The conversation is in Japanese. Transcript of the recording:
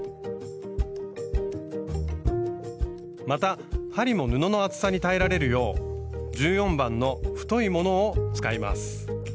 また針も布の厚さに耐えられるよう１４番の太いものを使います。